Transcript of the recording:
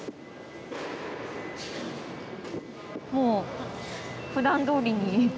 もうふだんどおりに。